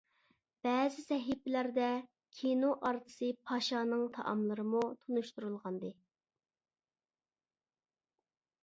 بەزى سەھىپىلەردە كىنو ئارتىسى پاشانىڭ تائاملىرىمۇ تونۇشتۇرۇلغانىدى.